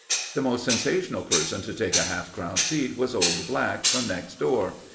The most sensational person to take a half crown seat was old Black, from next door.